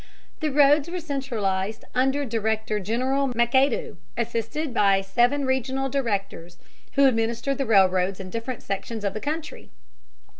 The roads were centralized under Director General McAdoo, assisted by seven regional directors who administered the railroads in the different sections of the country.